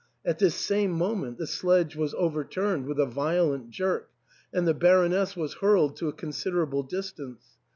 At this same moment the sledge was overturned with a violent jerk, and the Baroness was hurled to a considerable distance.